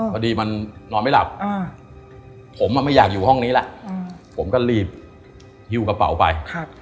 พอดีมันนอนไม่หลับผมไม่อยากอยู่ห้องนี้แล้วผมก็รีบหิ้วกระเป๋าไป